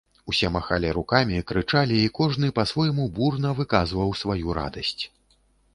Усе махалі рукамі, крычалі і кожны па-свойму бурна выказваў сваю радасць.